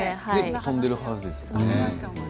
飛んでいるはずですよね。